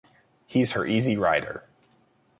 He's her easy rider.